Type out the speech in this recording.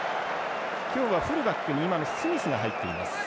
今日はフルバックにスミスが入っています。